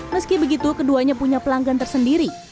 meski begitu keduanya punya pelanggan tersendiri